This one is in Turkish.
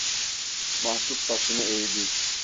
Mahcup başını eğdi.